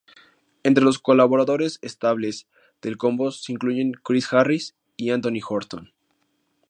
Entre los colaboradores estables del combo se incluyen Kris Harris y Anthony Horton.